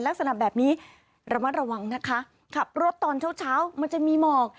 ลักษณะแบบนี้ระมัดระวังนะคะขับรถตอนเช้าเช้ามันจะมีหมอก